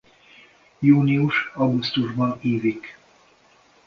Június-augusztusban ívik.